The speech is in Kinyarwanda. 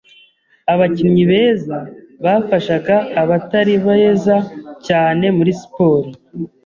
Abakinnyi beza bafashaga abatari beza cyane muri siporo.